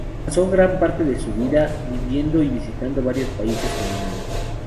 Pasó gran parte de su vida viviendo y visitando varios países en el mundo.